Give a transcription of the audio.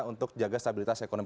untuk jaga stabilitas ekonomi